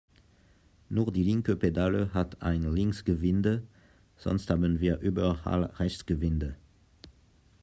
Nur die linke Pedale hat ein Linksgewinde, sonst haben wir überall Rechtsgewinde.